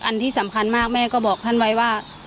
อันที่สำคัญมากแม่ก็บอกท่านไว้ว่า